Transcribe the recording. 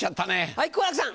はい好楽さん。